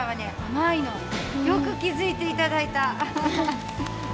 よく気づいていただいた。